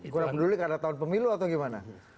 kurang peduli karena tahun pemilu atau gimana